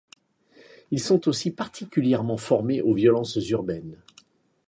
Ils sont aussi particulièrement formés aux violences urbaines.